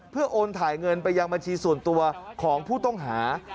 เพื่อโอนถ่ายเงินไปยังบัญชีส่วนตัวของผู้ต้องหา